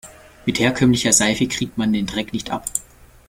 Mit herkömmlicher Seife kriegt man den Dreck nicht ab.